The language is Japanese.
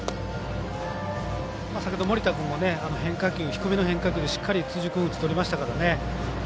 先ほど森田君も変化球低めの変化球でしっかり辻君を打ちとりましたからね。